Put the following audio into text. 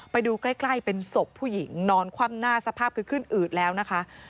ไปดูใกล้เป็นศพผู้หญิงนอนคว่ำหน้าสภาพคือขึ้นอืดแล้วนะคะ